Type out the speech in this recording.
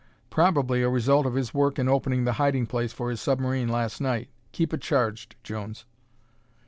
"Probably a result of his work in opening the hiding place for his submarine last night. Keep it charged, Jones."